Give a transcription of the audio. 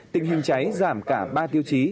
tình hình cháy giảm cả ba tiêu chí